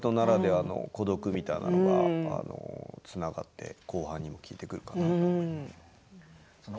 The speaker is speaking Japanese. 天下人ならではの孤独みたいなものにつながって後半にも効いてくるかなと思います。